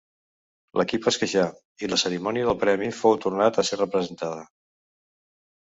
L'equip es queixà, i la cerimònia del premi fou tornat a ser representada.